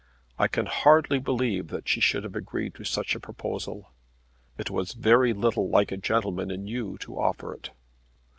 I can hardly believe that she should have agreed to such a proposal. It was very little like a gentleman in you to offer it.